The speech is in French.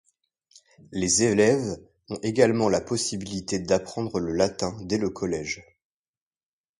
Les élèves ont également la possibilité d'apprendre le latin dès le collège.